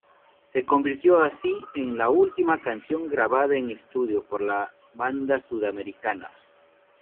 Se convirtió así en la última canción grabada en estudio por la banda sudamericana.